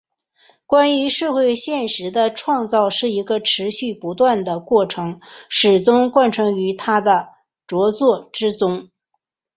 关于社会现实的创造是一个持续不断的过程始终贯穿于他的着作之中。